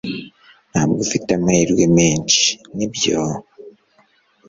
Ntabwo ufite amahirwe menshi nibyo